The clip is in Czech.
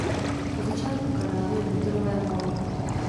U začátku kanálu je betonové molo.